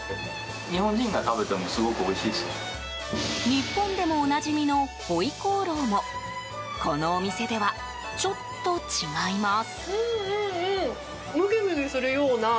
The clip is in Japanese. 日本でもお馴染みの回鍋肉もこのお店ではちょっと違います。